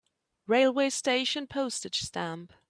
Railway station Postage stamp